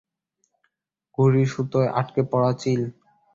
ঘুড়ির সুতোয় আটকে পড়া চিল।